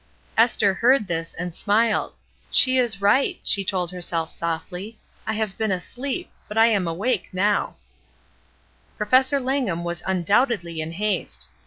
Esther heard this, and smiled. "She is right," she told herself softly. "I have been asleep, but I am awake now," Professor Langham was undoubtedly in haste.